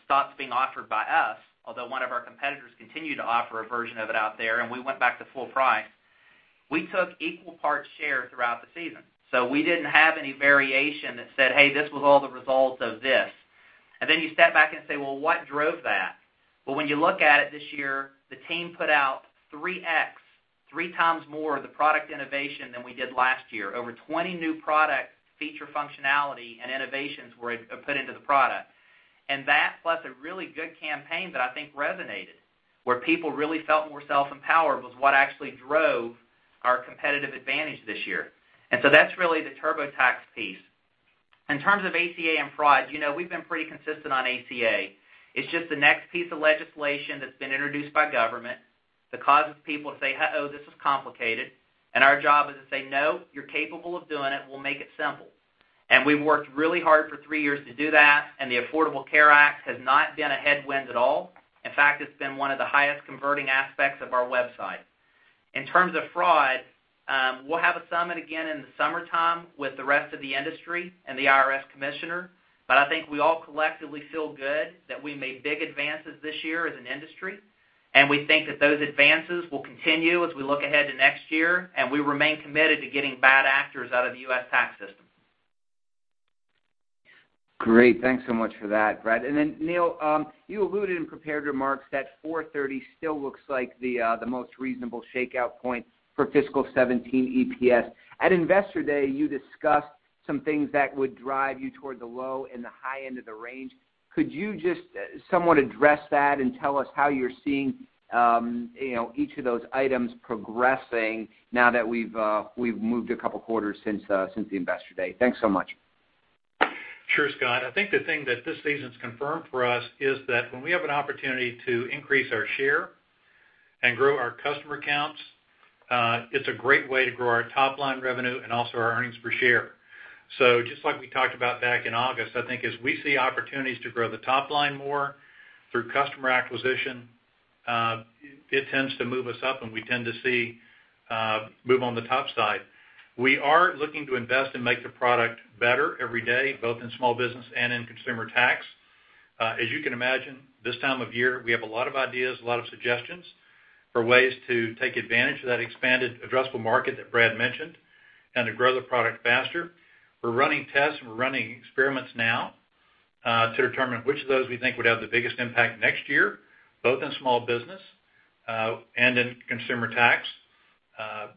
stopped being offered by us, although one of our competitors continued to offer a version of it out there, and we went back to full price, we took equal parts share throughout the season. We didn't have any variation that said, "Hey, this was all the results of this." You step back and say, "What drove that?" When you look at it this year, the team put out 3x, 3 times more of the product innovation than we did last year. Over 20 new product feature functionality and innovations were put into the product. That, plus a really good campaign that I think resonated, where people really felt more self-empowered, was what actually drove our competitive advantage this year. That's really the TurboTax piece. In terms of ACA and fraud, we've been pretty consistent on ACA. It's just the next piece of legislation that's been introduced by government that causes people to say, "Uh-oh, this is complicated." Our job is to say, "No, you're capable of doing it. We'll make it simple." We've worked really hard for 3 years to do that, and the Affordable Care Act has not been a headwind at all. In fact, it's been one of the highest converting aspects of our website. In terms of fraud, we'll have a summit again in the summertime with the rest of the industry and the IRS commissioner. I think we all collectively feel good that we made big advances this year as an industry, we think that those advances will continue as we look ahead to next year, and we remain committed to getting bad actors out of the U.S. tax system. Great. Thanks so much for that, Brad. Neil, you alluded in prepared remarks that $4.30 still looks like the most reasonable shakeout point for fiscal 2017 EPS. At Investor Day, you discussed some things that would drive you toward the low and the high end of the range. Could you just somewhat address that and tell us how you're seeing each of those items progressing now that we've moved a couple quarters since the Investor Day? Thanks so much. Sure, Scott. I think the thing that this season's confirmed for us is that when we have an opportunity to increase our share and grow our customer counts, it's a great way to grow our top-line revenue and also our earnings per share. Just like we talked about back in August, I think as we see opportunities to grow the top line more through customer acquisition, it tends to move us up, and we tend to see move on the top side. We are looking to invest and make the product better every day, both in small business and in consumer tax. As you can imagine, this time of year, we have a lot of ideas, a lot of suggestions for ways to take advantage of that expanded addressable market that Brad mentioned and to grow the product faster. We're running tests, and we're running experiments now to determine which of those we think would have the biggest impact next year, both in small business and in consumer tax.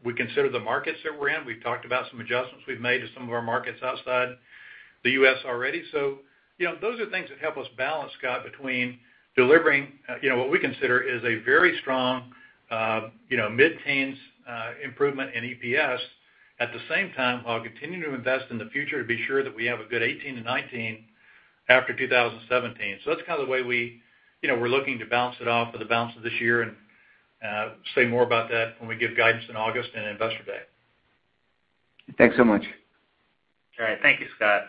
We consider the markets that we're in. We've talked about some adjustments we've made to some of our markets outside the U.S. already. Those are things that help us balance, Scott, between delivering what we consider is a very strong mid-teens improvement in EPS. At the same time, while continuing to invest in the future to be sure that we have a good 2018 and 2019 after 2017. That's kind of the way we're looking to balance it off for the balance of this year and say more about that when we give guidance in August and Investor Day. Thanks so much. All right. Thank you, Scott.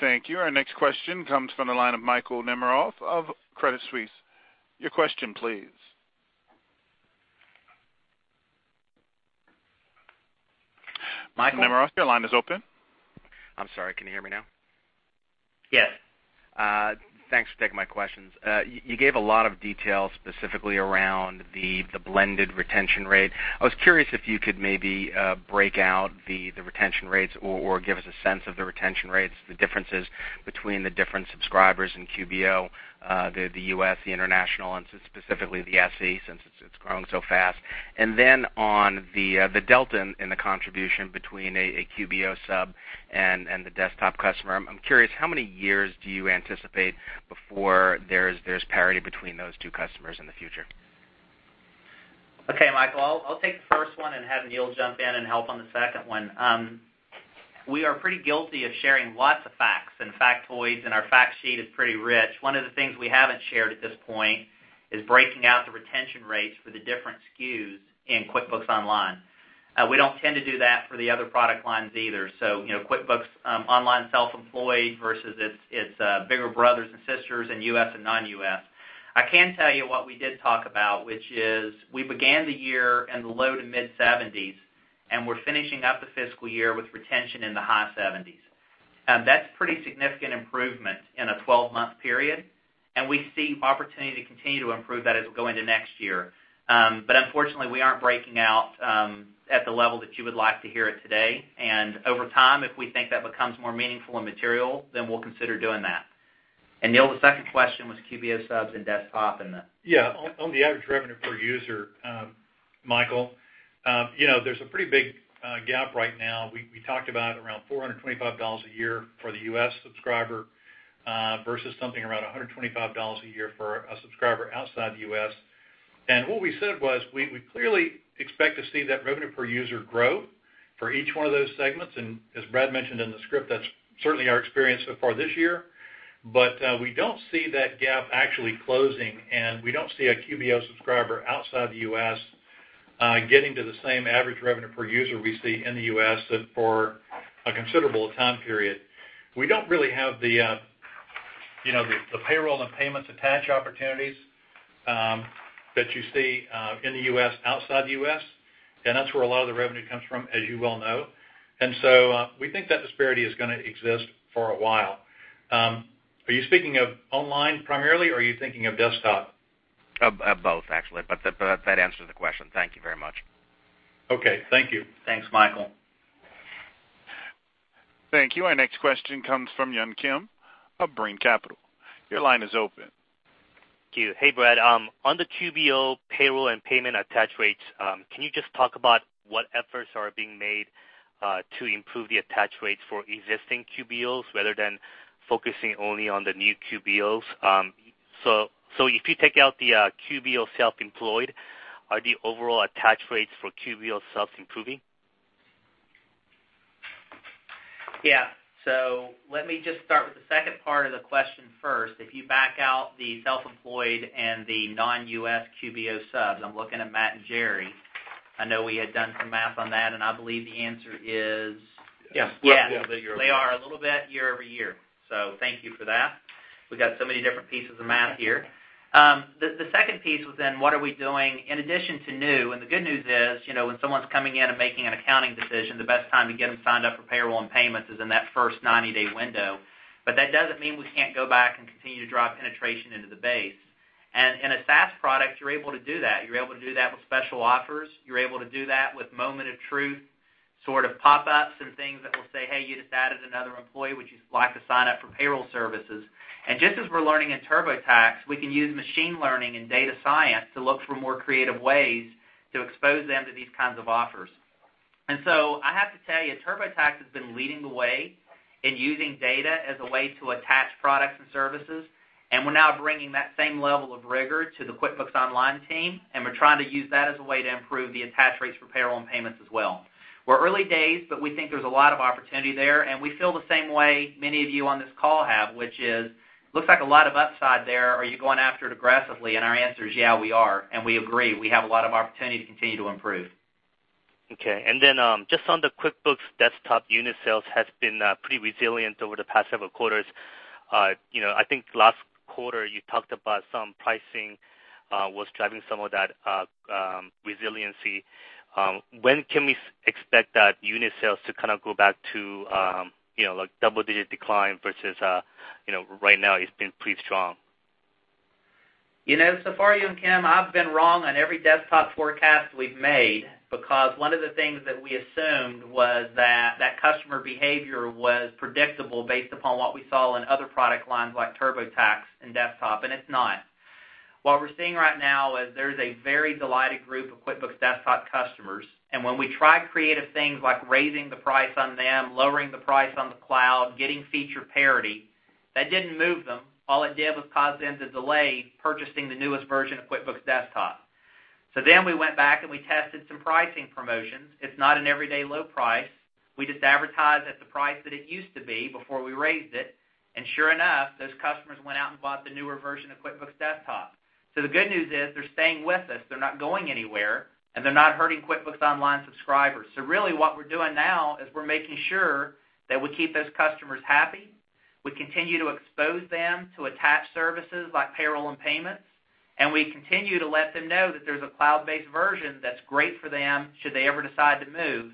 Thank you. Our next question comes from the line of Michael Nemeroff of Credit Suisse. Your question please. Michael Nemeroff, your line is open. I'm sorry. Can you hear me now? Yes. Thanks for taking my questions. You gave a lot of detail specifically around the blended retention rate. I was curious if you could maybe break out the retention rates or give us a sense of the retention rates, the differences between the different subscribers in QBO, the U.S., the international, and specifically the SE, since it's growing so fast. On the delta in the contribution between a QBO sub and the desktop customer, I'm curious, how many years do you anticipate before there's parity between those two customers in the future? Okay, Michael, I'll take the first one and have Neil jump in and help on the second one. We are pretty guilty of sharing lots of facts and factoids, and our fact sheet is pretty rich. One of the things we haven't shared at this point is breaking out the retention rates for the different SKUs in QuickBooks Online. We don't tend to do that for the other product lines either. QuickBooks Online Self-Employed versus its bigger brothers and sisters in U.S. and non-U.S. I can tell you what we did talk about, which is we began the year in the low to mid-70s, and we're finishing up the fiscal year with retention in the high 70s. That's pretty significant improvement in a 12-month period. We see opportunity to continue to improve that as we go into next year. Unfortunately, we aren't breaking out at the level that you would like to hear it today. Over time, if we think that becomes more meaningful and material, we'll consider doing that. Neil, the second question was QBO subs and desktop. On the average revenue per user, Michael, there's a pretty big gap right now. We talked about around $425 a year for the U.S. subscriber, versus something around $125 a year for a subscriber outside the U.S. What we said was, we clearly expect to see that revenue per user grow for each one of those segments, and as Brad mentioned in the script, that's certainly our experience so far this year. We don't see that gap actually closing, and we don't see a QBO subscriber outside the U.S. getting to the same average revenue per user we see in the U.S. for a considerable time period. We don't really have the payroll and payments attach opportunities that you see in the U.S., outside the U.S., and that's where a lot of the revenue comes from, as you well know. We think that disparity is going to exist for a while. Are you speaking of online primarily, or are you thinking of desktop? Of both, actually. That answers the question. Thank you very much. Okay. Thank you. Thanks, Michael. Thank you. Our next question comes from Yun Kim of Brean Capital. Your line is open. Thank you. Hey, Brad. On the QBO payroll and payment attach rates, can you just talk about what efforts are being made to improve the attach rates for existing QBOs rather than focusing only on the new QBOs? If you take out the QuickBooks Self-Employed are the overall attach rates for QBO subs improving? Yeah. Let me just start with the second part of the question first. If you back out the self-employed and the non-U.S. QBO subs, I'm looking at Matt and Jerry. I know we had done some math on that, and I believe the answer is Yes. Yes. They are a little bit year-over-year, thank you for that. We got so many different pieces of math here. The second piece was then, what are we doing in addition to new? The good news is, when someone's coming in and making an accounting decision, the best time to get them signed up for payroll and payments is in that first 90-day window. That doesn't mean we can't go back and continue to drive penetration into the base. In a SaaS product, you're able to do that. You're able to do that with special offers. You're able to do that with moment of truth, sort of pop-ups and things that will say, "Hey, you just added another employee. Would you like to sign up for payroll services?" Just as we're learning in TurboTax, we can use machine learning and data science to look for more creative ways to expose them to these kinds of offers. I have to tell you, TurboTax has been leading the way in using data as a way to attach products and services, and we're now bringing that same level of rigor to the QuickBooks Online team, and we're trying to use that as a way to improve the attach rates for payroll and payments as well. We're early days, but we think there's a lot of opportunity there, and we feel the same way many of you on this call have, which is, looks like a lot of upside there. Are you going after it aggressively? Our answer is, yeah, we are, and we agree, we have a lot of opportunity to continue to improve. Okay. Just on the QuickBooks Desktop unit sales has been pretty resilient over the past several quarters. I think last quarter you talked about some pricing, was driving some of that resiliency. When can we expect that unit sales to kind of go back to double-digit decline versus right now it's been pretty strong? Yun Kim, I've been wrong on every Desktop forecast we've made because one of the things that we assumed was that customer behavior was predictable based upon what we saw in other product lines like TurboTax and Desktop, and it's not. What we're seeing right now is there's a very delighted group of QuickBooks Desktop customers, and when we try creative things like raising the price on them, lowering the price on the cloud, getting feature parity, that didn't move them. All it did was cause them to delay purchasing the newest version of QuickBooks Desktop. We went back, and we tested some pricing promotions. It's not an everyday low price. We just advertise at the price that it used to be before we raised it. Sure enough, those customers went out and bought the newer version of QuickBooks Desktop. The good news is they're staying with us. They're not going anywhere, and they're not hurting QuickBooks Online subscribers. Really what we're doing now is we're making sure that we keep those customers happy. We continue to expose them to attach services like payroll and payments, and we continue to let them know that there's a cloud-based version that's great for them should they ever decide to move.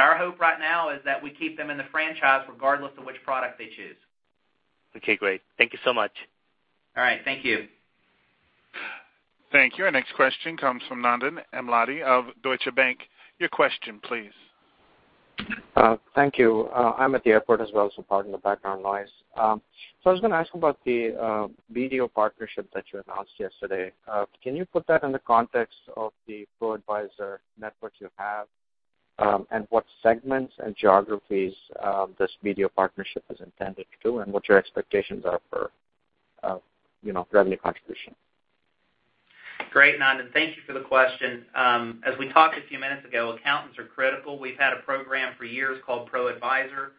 Our hope right now is that we keep them in the franchise regardless of which product they choose. Okay, great. Thank you so much. All right. Thank you. Thank you. Our next question comes from Nandan Amladi of Deutsche Bank. Your question please. Thank you. I'm at the airport as well, so pardon the background noise. I was going to ask about the BDO partnership that you announced yesterday. Can you put that in the context of the ProAdvisor networks you have, and what segments and geographies, this BDO partnership is intended to, and what your expectations are for revenue contribution? Great, Nandan. Thank you for the question. As we talked a few minutes ago, accountants are critical. We've had a program for years called ProAdvisor.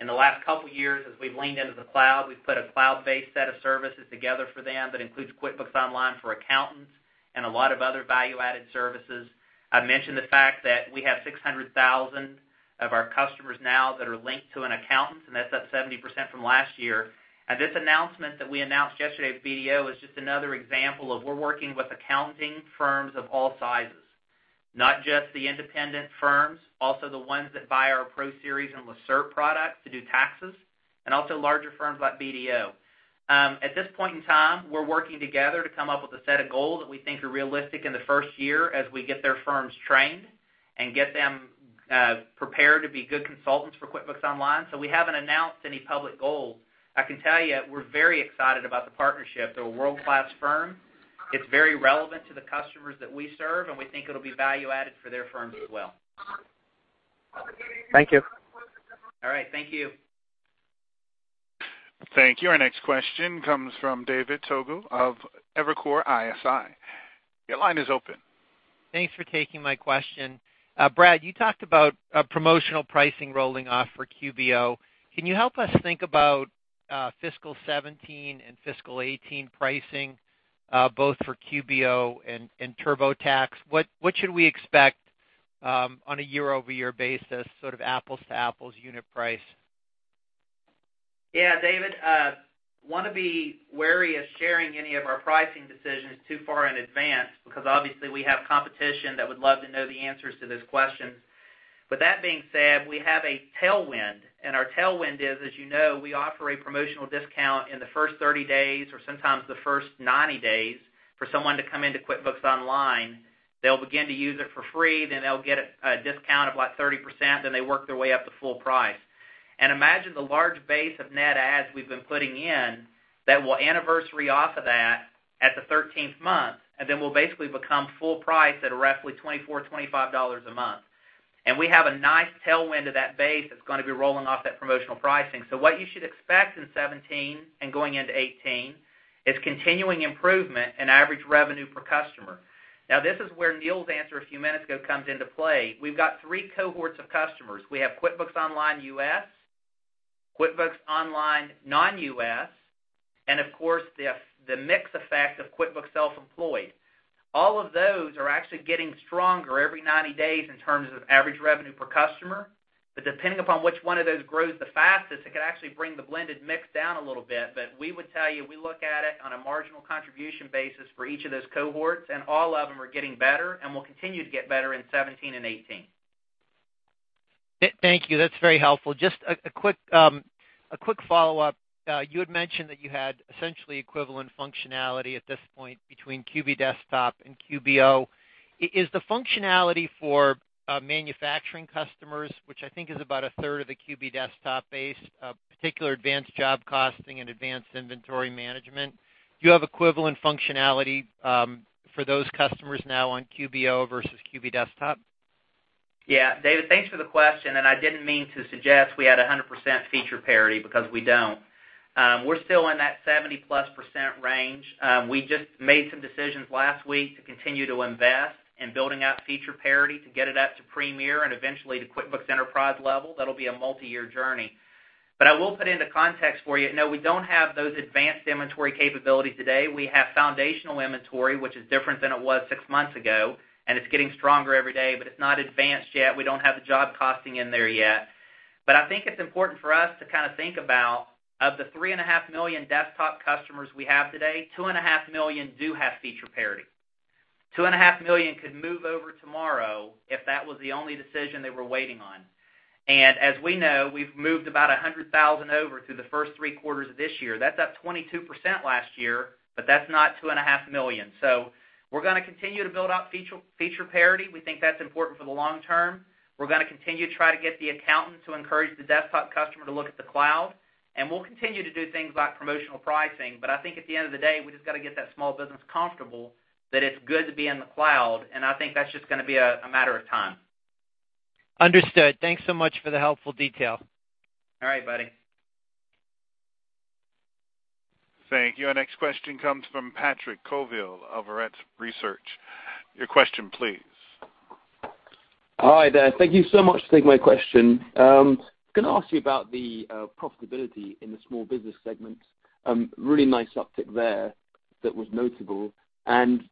In the last couple of years, as we've leaned into the cloud, we've put a cloud-based set of services together for them that includes QuickBooks Online for accountants and a lot of other value-added services. I mentioned the fact that we have 600,000 of our customers now that are linked to an accountant, and that's up 70% from last year. This announcement that we announced yesterday with BDO is just another example of we're working with accounting firms of all sizes, not just the independent firms, also the ones that buy our ProSeries and Lacerte product to do taxes, and also larger firms like BDO. At this point in time, we're working together to come up with a set of goals that we think are realistic in the first year as we get their firms trained and get them prepared to be good consultants for QuickBooks Online. We haven't announced any public goals. I can tell you we're very excited about the partnership. They're a world-class firm. It's very relevant to the customers that we serve, and we think it'll be value-added for their firms as well. Thank you. All right. Thank you. Thank you. Our next question comes from David Togut of Evercore ISI. Your line is open. Thanks for taking my question. Brad, you talked about promotional pricing rolling off for QBO. Can you help us think about fiscal 2017 and fiscal 2018 pricing, both for QBO and TurboTax? What should we expect, on a year-over-year basis, sort of apples-to-apples unit price? Yeah, David, want to be wary of sharing any of our pricing decisions too far in advance because obviously we have competition that would love to know the answers to those questions. That being said, we have a tailwind, and our tailwind is, as you know, we offer a promotional discount in the first 30 days or sometimes the first 90 days for someone to come into QuickBooks Online. They'll begin to use it for free, then they'll get a discount of 30%, then they work their way up to full price. Imagine the large base of net adds we've been putting in that will anniversary off of that at the 13th month, and then will basically become full price at roughly $24, $25 a month. We have a nice tailwind to that base that's going to be rolling off that promotional pricing. What you should expect in 2017 and going into 2018 is continuing improvement in average revenue per customer. Now, this is where Neil's answer a few minutes ago comes into play. We've got three cohorts of customers. We have QuickBooks Online U.S., QuickBooks Online non-U.S., and of course, the mix effect of QuickBooks Self-Employed. All of those are actually getting stronger every 90 days in terms of average revenue per customer. But depending upon which one of those grows the fastest, it could actually bring the blended mix down a little bit. But we would tell you, we look at it on a marginal contribution basis for each of those cohorts, and all of them are getting better and will continue to get better in 2017 and 2018. Thank you. That's very helpful. Just a quick follow-up. You had mentioned that you had essentially equivalent functionality at this point between QB Desktop and QBO. Is the functionality for manufacturing customers, which I think is about a third of the QB Desktop base, particular advanced job costing and advanced inventory management, do you have equivalent functionality for those customers now on QBO versus QB Desktop? David, thanks for the question. I didn't mean to suggest we had 100% feature parity, because we don't. We're still in that 70-plus% range. We just made some decisions last week to continue to invest in building out feature parity to get it up to QuickBooks Premier and eventually to QuickBooks Enterprise level. That'll be a multi-year journey. I will put into context for you, no, we don't have those advanced inventory capabilities today. We have foundational inventory, which is different than it was six months ago, and it's getting stronger every day. It's not advanced yet. We don't have the job costing in there yet. I think it's important for us to kind of think about, of the three-and-a-half million desktop customers we have today, two-and-a-half million do have feature parity. Two-and-a-half million could move over tomorrow if that was the only decision they were waiting on. As we know, we've moved about 100,000 over through the first three quarters of this year. That's up 22% last year, that's not two-and-a-half million. We're going to continue to build out feature parity. We think that's important for the long term. We're going to continue to try to get the accountant to encourage the desktop customer to look at the cloud, and we'll continue to do things like promotional pricing. I think at the end of the day, we just got to get that small business comfortable that it's good to be in the cloud, and I think that's just going to be a matter of time. Understood. Thanks so much for the helpful detail. All right, buddy. Thank you. Our next question comes from Patrick Colville of Orbis Research. Your question, please. Hi there. Thank you so much for taking my question. Can I ask you about the profitability in the small business segment? Really nice uptick there that was notable, and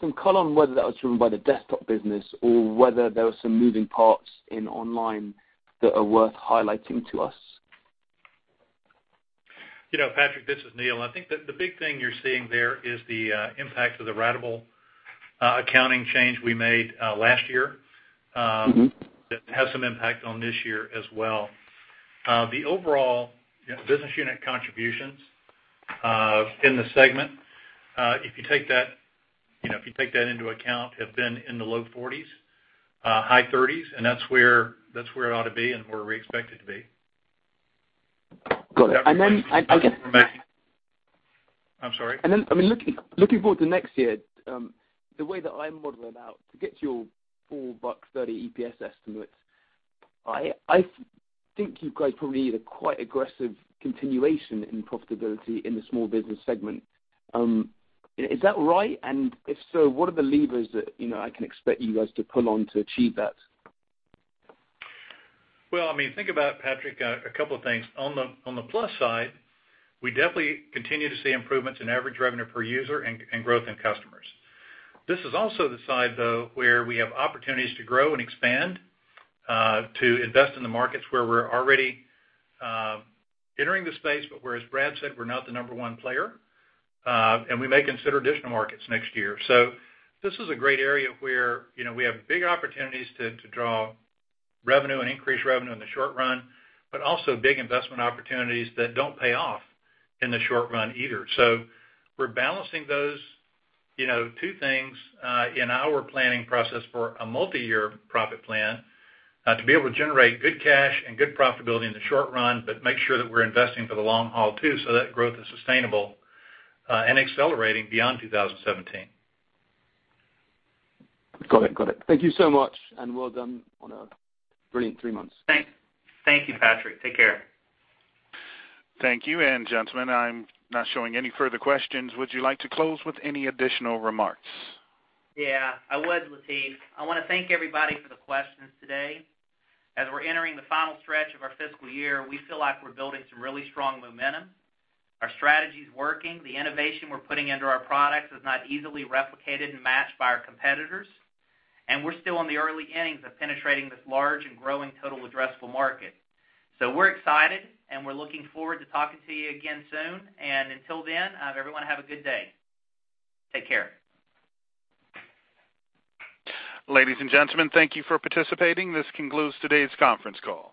some color on whether that was driven by the desktop business or whether there were some moving parts in online that are worth highlighting to us. Patrick, this is Neil. I think that the big thing you're seeing there is the impact of the ratable accounting change we made last year. That has some impact on this year as well. The overall business unit contributions in the segment, if you take that into account, have been in the low 40s, high 30s, and that's where it ought to be and where we expect it to be. Got it. I'm sorry? Looking forward to next year, the way that I'm modeling out to get to your $4.30 EPS estimates, I think you guys probably need a quite aggressive continuation in profitability in the small business segment. Is that right? If so, what are the levers that I can expect you guys to pull on to achieve that? Well, think about, Patrick, a couple of things. On the plus side, we definitely continue to see improvements in average revenue per user and growth in customers. This is also the side, though, where we have opportunities to grow and expand, to invest in the markets where we're already entering the space, but where, as Brad said, we're not the number one player. We may consider additional markets next year. This is a great area where we have big opportunities to draw revenue and increase revenue in the short run, but also big investment opportunities that don't pay off in the short run either. We're balancing those two things in our planning process for a multi-year profit plan to be able to generate good cash and good profitability in the short run, but make sure that we're investing for the long haul, too, so that growth is sustainable and accelerating beyond 2017. Got it. Thank you so much, and well done on a brilliant three months. Thank you, Patrick. Take care. Thank you. Gentlemen, I'm not showing any further questions. Would you like to close with any additional remarks? Yeah, I would, Latif. I want to thank everybody for the questions today. As we're entering the final stretch of our fiscal year, we feel like we're building some really strong momentum. Our strategy's working. The innovation we're putting into our products is not easily replicated and matched by our competitors. We're still in the early innings of penetrating this large and growing total addressable market. We're excited, and we're looking forward to talking to you again soon. Until then, everyone have a good day. Take care. Ladies and gentlemen, thank you for participating. This concludes today's conference call.